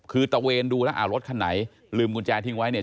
คือตะเวนดูแล้วอ่ารถคันไหนลืมกุญแจทิ้งไว้เนี่ย